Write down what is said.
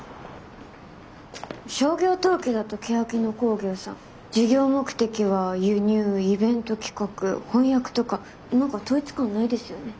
商業登記だとけやき野興業さん事業目的は輸入イベント企画翻訳とか何か統一感ないですよね。